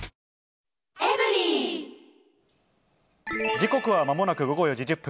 時刻はまもなく午後４時１０分。